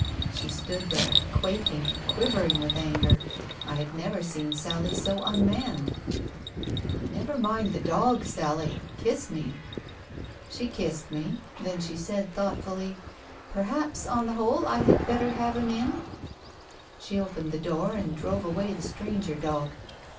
..." She stood there, quaking, quivering with anger. I had never seen Sally so unmanned. ... "Never mind the dog, Sally, — kiss me." She kissed me, then she said thoughtfully —" Perhaps, on the whole I had better have him in ?" She opened the door, and drove away the stranger dog.